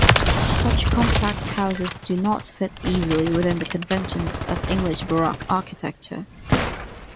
Such compact houses do not fit easily within the conventions of English baroque architecture.